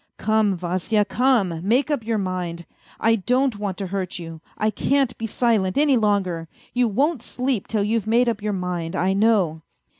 " Come, Vasya, come, make up your mind. I don't want to hurt you. I can't be silent any longer. You won't sleep till you've made up your mind, I know."